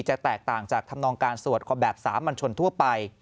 แตกต่างจากธรรมนองการสวดของแบบสามัญชนทั่วไป